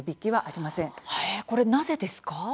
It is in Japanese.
これ、なぜですか？